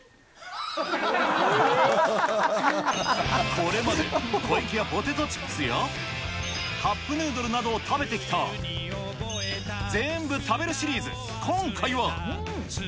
これまで湖池屋ポテトチップスや、カップヌードルなどを食べてきた、ぜーんぶ食べるシリーズ。今回は。